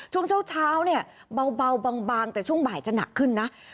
ช่วงเช้าเนี่ยเบาบางแต่ช่วงบ่ายจะหนักขึ้นนะ